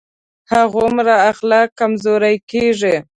هماغومره اخلاق کمزوری کېږي.